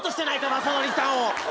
雅紀さんを。